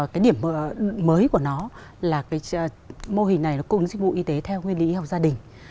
cái điểm mới của nó là cái mô hình này là công dịch vụ y tế theo nguyên lý học gia đình